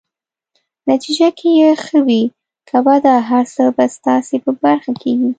نتیجه که يې ښه وي که بده، هر څه به ستاسي په برخه کيږي.